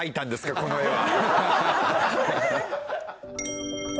この絵は。